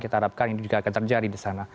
kita harapkan ini juga akan terjadi di sana